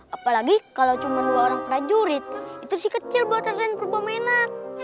apalagi kalau cuma dua orang prajurit itu sih kecil buat raden purwomenak